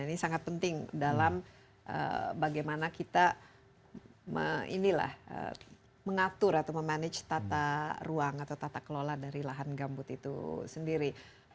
ini sangat penting dalam bagaimana kita mengatur atau memanage tata ruang atau tata kelola dari lahan gambut itu sendiri